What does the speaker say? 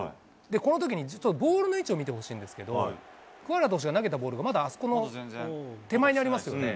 このときに実はボールの位置を見てほしいんですけど、鍬原投手が、まだあそこの手前にありますよね。